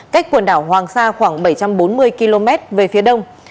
cách quần đảo hoàng sa khoảng bảy trăm bốn mươi km về phía đông